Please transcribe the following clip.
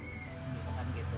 ya kan gitu